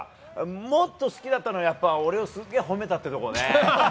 もっと好きだったのは俺をすげー褒めたところね！